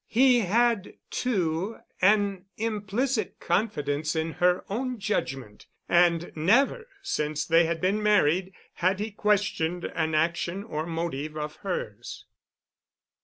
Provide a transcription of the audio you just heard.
He had, too, an implicit confidence in her own judgment, and never since they had been married had he questioned an action or motive of hers.